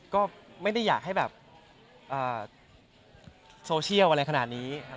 ก็ไม่ได้อยากให้แบบโซเชียลอะไรขนาดนี้